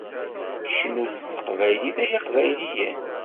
Cnut s teqbaylit ay iqbayliyen!